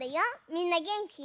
みんなげんき？